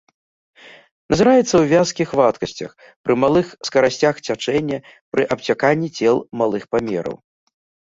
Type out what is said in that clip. Назіраецца ў вязкіх вадкасцях, пры малых скарасцях цячэння, пры абцяканні цел малых памераў.